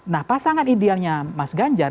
nah pasangan idealnya mas ganjar